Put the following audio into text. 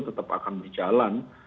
tetap akan berjalan